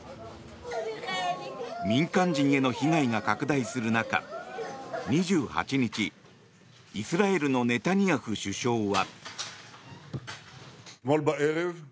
民間人への被害が拡大する中２８日イスラエルのネタニヤフ首相は。